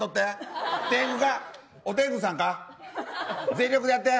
全力でやって。